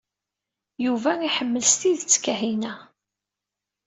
Yuba iḥemmel s tidet Kahina.